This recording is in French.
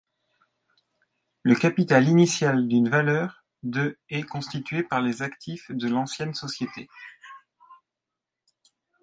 Le capital initial d'une valeur de est constitué par les actifs de l'ancienne société.